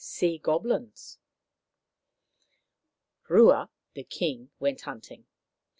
SEA GOBLINS Rua the King went hunting.